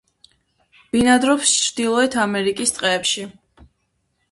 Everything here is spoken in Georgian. ბინადრობს ჩრდილოეთ ამერიკის ტყეებში.